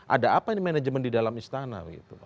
ada apa ini manajemen di dalam istana